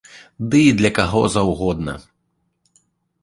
Ды і для каго заўгодна!